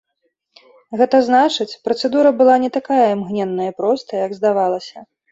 Гэта значыць, працэдура была не такая імгненная і простая, як здавалася.